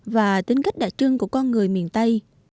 và tính cách đặc trưng của con người miền tây